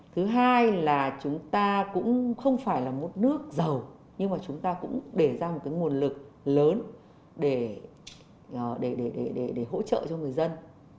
thứ hai là chúng ta cũng không phải là một nước giàu nhưng mà chúng ta cũng để ra một cái nguồn lực lớn để hỗ trợ cho người dân